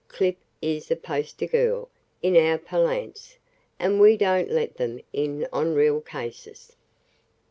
"Clip is a poster girl, in our parlance, and we don't let them in on real cases."